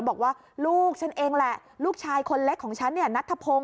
บอกว่าลูกฉันเองแหละลูกชายคนเล็กของฉันเนี่ยนัทธพงศ